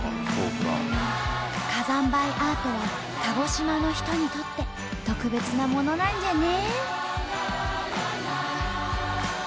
火山灰アートは鹿児島の人にとって特別なものなんじゃね。